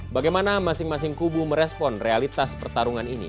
bagaimana masing masing kubu merespon realitas pertarungan ini